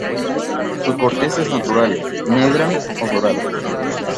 Su corteza es natural, negra o dorada.